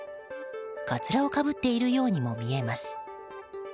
カツラをかぶっているようにも見えます。